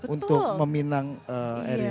untuk meminang erina